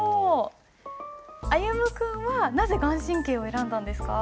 歩夢君はなぜ顔真を選んだんですか？